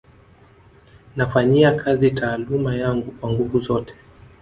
Nafanyia kazi taaluma yangu kwa nguvu zote